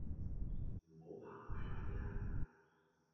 唔好行埋嚟呀